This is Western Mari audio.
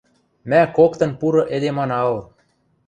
Мӓ коктын пуры эдем ана ыл...